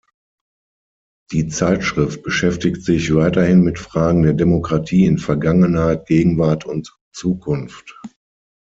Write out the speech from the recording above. Die Zeitschrift beschäftigt sich weiterhin mit Fragen der Demokratie in Vergangenheit, Gegenwart und Zukunft.